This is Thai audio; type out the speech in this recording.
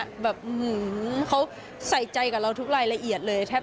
แต่สบายที่กับเราใส่ใจกับเราทุกรายละเอียดเลย